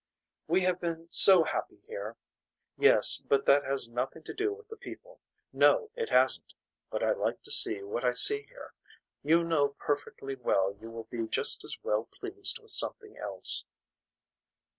We have been so happy here. Yes but that has nothing to do with the people. No it hasn't. But I like to see what I see here. You know perfectly well you will be just as well pleased with something else.